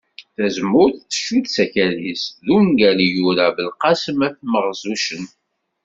Tazemmurt tcudd s akal-is d ungal i yura Belqesem At Maɣzuccen